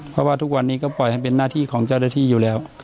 เพราะว่าทุกวันนี้ก็ปล่อยให้เป็นหน้าที่ของเจ้าหน้าที่อยู่แล้ว